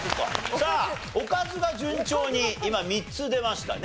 さあおかずが順調に今３つ出ましたね。